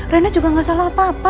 rena juga gak salah apa apa